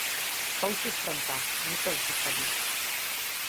Па ўсіх франтах, не толькі сабе.